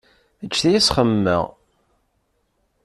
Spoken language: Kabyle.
Ǧǧet-iyi ad s-xemmemeɣ.